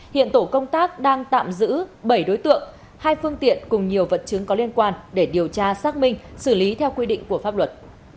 hiện tổ công tác đang tạm giữ bảy đối tượng hai phương tiện cùng nhiều vật chứng có liên quan để điều tra xác minh xử lý theo quy định của pháp luật